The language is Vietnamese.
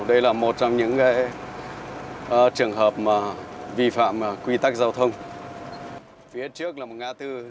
đây là một trong những trường hợp vi phạm quy tắc giao thông